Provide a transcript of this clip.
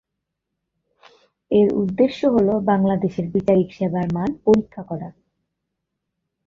এর উদ্দেশ্য হলো বাংলাদেশের বিচারিক সেবার মান পরীক্ষা করা।